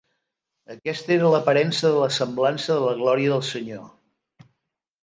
Aquesta era l'aparença de la semblança de la glòria del Senyor.